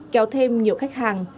kéo thêm nhiều khách hàng